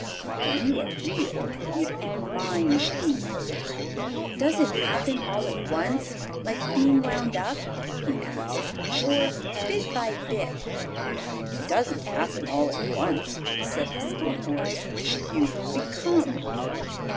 "When you are Real you don't mind being hurt." "Does it happen all at once, like being wound up," he asked, "or bit by bit?" "It doesn't happen all at once," said the Skin Horse. "You become.